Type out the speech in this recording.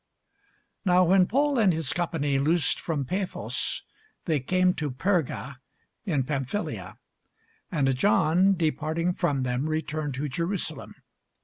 Now when Paul and his company loosed from Paphos, they came to Perga in Pamphylia: and John departing from them returned to Jerusalem.